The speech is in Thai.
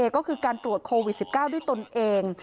ก็คือการตรวจโควิด๑๙ด้วยตนเอง